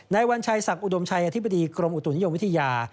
วัญชัยศักดิอุดมชัยอธิบดีกรมอุตุนิยมวิทยา